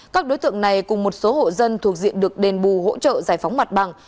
các đối tượng này cùng một số hộ dân thuộc diện được đền bù hỗ trợ giải phóng mặt bằng